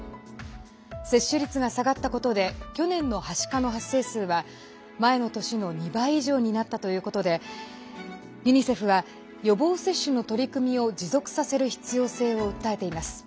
接種率が下がったことで去年のはしかの発生数は前の年の２倍以上になったということでユニセフは予防接種の取り組みを持続させる必要性を訴えています。